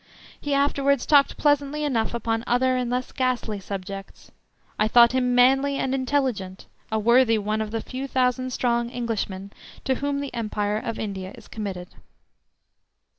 He afterwards talked pleasantly enough upon other and less ghastly subjects. I thought him manly and intelligent, a worthy one of the few thousand strong Englishmen to whom the empire of India is committed.